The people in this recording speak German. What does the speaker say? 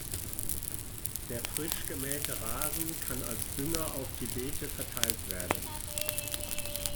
Der frisch gemähte Rasen kann als Dünger auf die Beete verteilt werden.